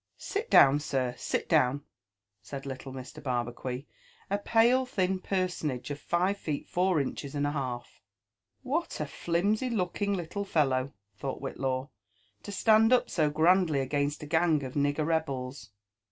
Sit down, sir, sit down," said liltle Mr. Barbacuit, a pale thin personable of five feet four inches and a half. " What a flimsy looking little fellow," thought Whitlaw, " to stand up so grandly against a gang of nigger rebels!"